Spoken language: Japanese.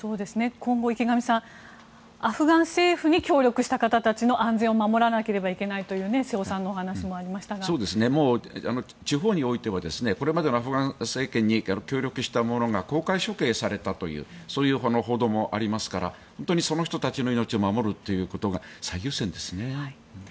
今後、池上さんアフガン政府に協力した方たちの安全を守らないといけないという地方においてはこれまでのアフガン政権に協力したものが公開処刑されたというそういう報道もありますから本当にその人たちの命を守ることが最優先ですよね。